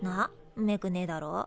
んめくねえだろ？